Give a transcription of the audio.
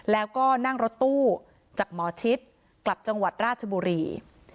แล้วก็นั่งรถตู้จากหมอชิดกลับจังหวัดราชบุรี